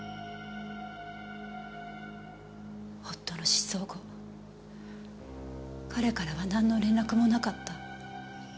夫の失踪後彼からはなんの連絡もなかった。